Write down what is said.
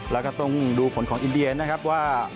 แล้วก็ต้องดูผลของอินเดียนะครับว่า